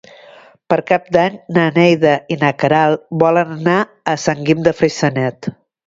Per Cap d'Any na Neida i na Queralt volen anar a Sant Guim de Freixenet.